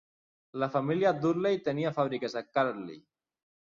La família Dudley tenia fàbriques a Cradley.